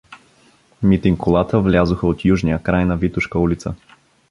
Митинг Колата влязоха от южния край на Витошка улица.